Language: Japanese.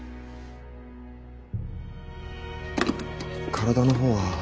体の方は。